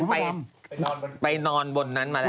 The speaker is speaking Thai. ไปนอนบนนั้นมาแล้ว